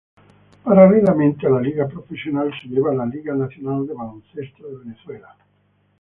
Paralelamente a la Liga Profesional, se lleva la Liga Nacional de Baloncesto de Venezuela.